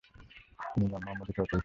তিনি ইমাম মুহাম্মদ হিসাবে পরিচিত।